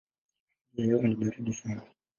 Hali ya hewa ni baridi sana.